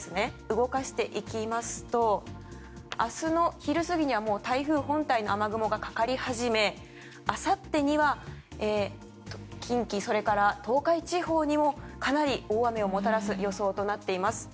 動かしていきますと明日の昼過ぎには台風本体の雨雲がかかり始めあさってには近畿、東海地方にもかなり大雨をもたらす予想となっています。